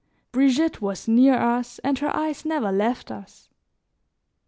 Brigitte was near us, and her eyes never left us.